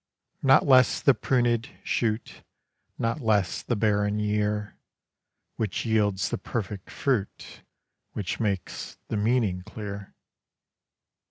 Not less the prunèd shoot, Not less the barren year, Which yields the perfect fruit, Which makes the meaning clear.